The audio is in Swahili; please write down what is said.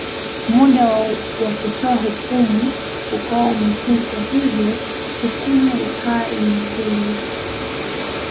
Muda wa kotoa hukumu ukawa umepita hivyo hukumu ikawa imefeli